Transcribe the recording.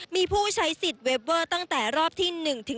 มีผู้ใช้สิทธิ์เวฟเวอร์ตั้งแต่รอบที่๑ถึง